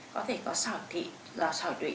có thể có sỏi tụy